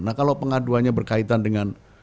nah kalau pengaduannya berkaitan dengan